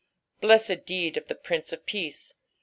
Blessed deed of the Prince of Peace